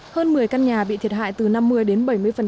hơn một mươi căn nhà bị thiệt hại từ năm mươi đến bảy mươi